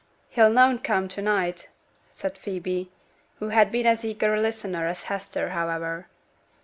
'He'll noane come to night,' said Phoebe, who had been as eager a listener as Hester, however.